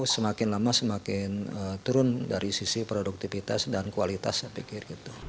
semakin lama semakin turun dari sisi produktivitas dan kualitas saya pikir